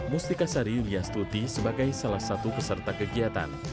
mustika sari rias tuti sebagai salah satu peserta kegiatan